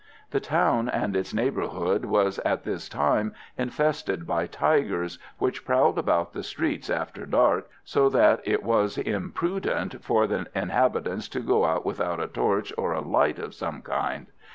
The town and its neighbourhood was at this time infested by tigers, which prowled about the streets after dark, so that it was imprudent for the inhabitants to go out without a torch or a light of some kind.